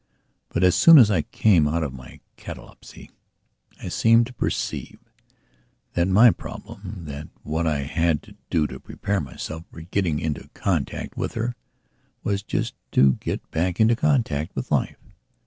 But, as soon as I came out of my catalepsy, I seemed to perceive that my problemthat what I had to do to prepare myself for getting into contact with her, was just to get back into contact with life.